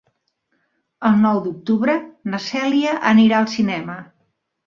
El nou d'octubre na Cèlia anirà al cinema.